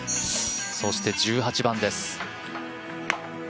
そして、１８番です。